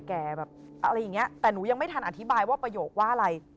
แบบอะไรอย่างเงี้ยแต่หนูยังไม่ทันอธิบายว่าประโยคว่าอะไร